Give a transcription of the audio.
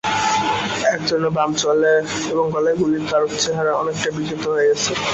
একজনের বাম চোয়ালে এবং গলায় গুলি করায় চেহারা অনেকটাই বিকৃত হয়ে গেছে।